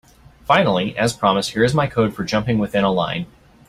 Finally, as promised, here is my code for jumping within a line.